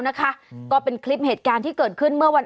มันแบบคุ้งตกลงมาเป็นพื้น